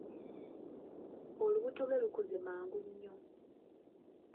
Olubuto lwe lukuze mangu nnyo.